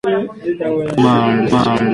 La vegetación es de tipo arbustivo.